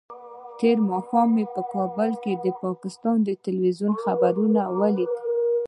تېر ماښام مې په کابل کې د پاکستان د ټلویزیون خبریال ولید.